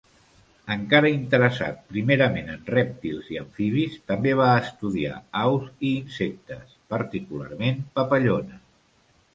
Encara interessat primerament en rèptils i amfibis, també va estudiar aus i insectes, particularment papallones.